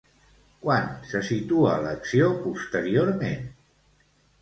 Quan se situa l'acció posteriorment?